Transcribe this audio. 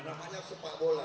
namanya sepak bola